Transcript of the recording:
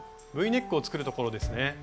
Ｖネックを作るところですね。